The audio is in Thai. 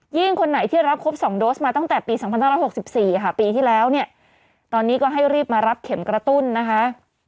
คนไหนที่รับครบ๒โดสมาตั้งแต่ปี๒๕๖๔ค่ะปีที่แล้วเนี่ยตอนนี้ก็ให้รีบมารับเข็มกระตุ้นนะคะ